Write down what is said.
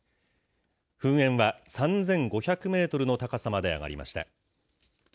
噴煙は３５００メートルの高さまで上がりました。